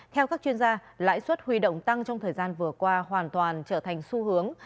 theo các chuyên gia lãi suất huy động tăng trong thời gian vừa qua hoàn toàn trở thành xu hướng